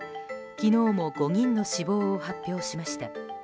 昨日も５人の死亡を発表しました。